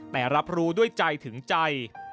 แต่รับรู้ด้วยใจถึงใจ